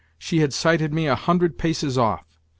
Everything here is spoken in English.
She had sighted me a hundred paces off!